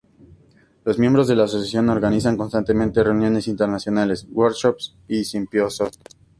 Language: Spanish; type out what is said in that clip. Los miembros de la asociación organizan constantemente reuniones internacionales, workshops y simposios.